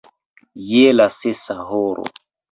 je la sesa horo.